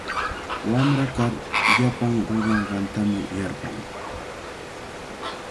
Wamra kar llapan ruranqantami yarpan.